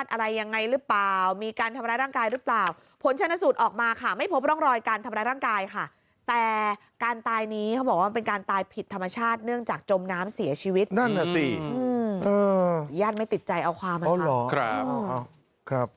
สูตรออกมาค่ะไม่พบร่องรอยการทำร้ายร่างกายค่ะแต่การตายนี้เขาบอกว่าเป็นการตายผิดธรรมชาติเนื่องจากจมน้ำเสียชีวิตนั่นน่ะสิย่านไม่ติดใจเอาความนะครับ